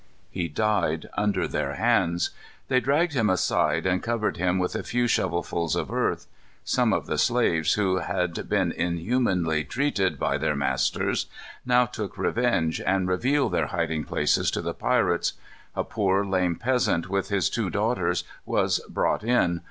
He died under their hands. They dragged him aside and covered him with a few shovelfuls of earth. Some of the slaves, who had been inhumanly treated by their masters, now took revenge, and revealed their hiding places to the pirates. A poor lame peasant, with his two daughters, was brought in.